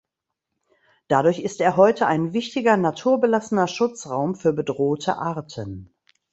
Dadurch ist er heute ein wichtiger naturbelassener Schutzraum für bedrohte Arten.